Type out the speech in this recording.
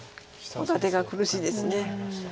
コウ立てが苦しいです。